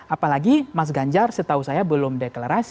apalagi mas ganjar setahu saya belum deklarasi